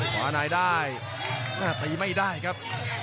ขวาในได้แต่จะมีที่ไม่ได้ครับ